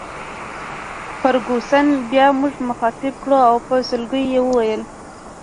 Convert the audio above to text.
فرګوسن بیا موږ مخاطب کړو او په سلګیو یې وویل.